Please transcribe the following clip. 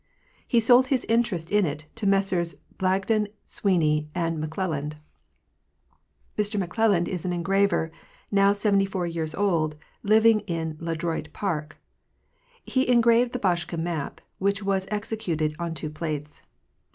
He sold his interest in it to Messrs Blagden, Sweeney, and McClelland. Mr McClelland is an engraver, now seventy four years old, living in Le Droit park. Heengraved the Boschke map, which was executed on two plates.